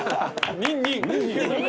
・ニンニン！